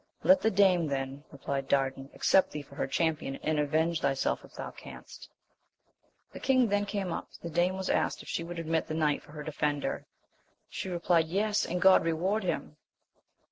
Let the dame then, replied Dardan, accept thee for her champion, and avenge thyself if thou canst. The king then came up ; the dame was asked if she would admit that knight for her defender. She replied, Yes, and God reward him